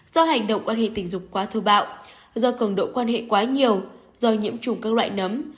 do hành động quan hệ tình dục quá thô bạo do cường độ quan hệ quá nhiều do nhiễm chủng các loại nấm